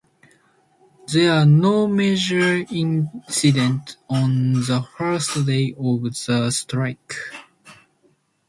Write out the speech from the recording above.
There were no major incidents on the first day of the strike.